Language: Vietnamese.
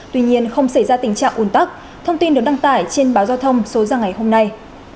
tuy nhiên không xảy ra tình trạng ủn tắc thông tin được đăng tải trên báo giao thông số ra ngày hôm nay